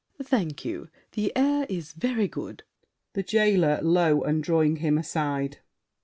Thank you. The air is very good! THE JAILER (low, and drawing him aside).